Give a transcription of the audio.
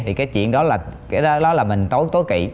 thì cái chuyện đó là mình tối kỵ